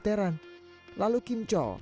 kemudian kim jong il